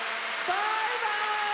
バイバーイ！